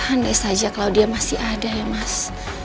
andai saja claudia masih ada ya mas